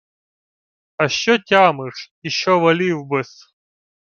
— А що тямиш. І що волів би-с.